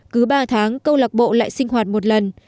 cứ ba tháng câu lạc bộ lại sinh hoạt một lần